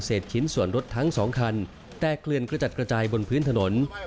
ชิ้นส่วนรถทั้ง๒คันแตกเกลือนกระจัดกระจายบนพื้นถนน